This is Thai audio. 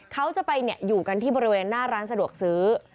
เขาจะไปอยู่กันที่บริเวณหน้าร้านสะดวกซื้อ